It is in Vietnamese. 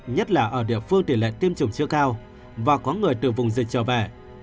nhất là ở địa phương tỷ lệ tiêm chủng chưa cao và có người từ vùng dịch trở về